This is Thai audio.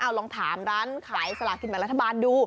เอาลองถามร้านขายสลากินแบบรัฐบาลดู